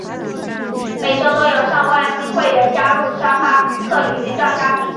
每周都有上万新会员加入沙发客旅行大家庭。